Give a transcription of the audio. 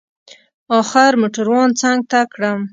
اخر موټروان څنگ ته کړم.